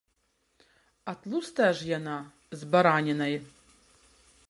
А тлустая ж яна, з баранінай.